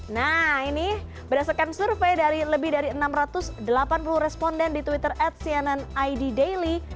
nah ini berdasarkan survei dari lebih dari enam ratus delapan puluh responden di twitter at cnn id daily